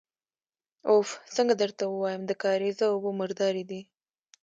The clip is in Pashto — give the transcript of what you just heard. اوف! څنګه درته ووايم، د کارېزه اوبه مردارې دي.